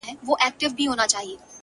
په حيرت حيرت يې وكتل مېزونه-